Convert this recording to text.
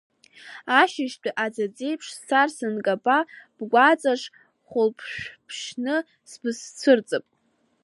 Ашьыжьтәи аӡаӡеиԥш сцар сынкаба, бгәаҵаҿ хәылԥшәаԥшьны сбызцәырҵып…